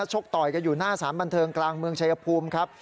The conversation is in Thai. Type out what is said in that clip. ชกต่อยกันอยู่หน้าสารบันเทิงกลางเมืองชายภูมิครับ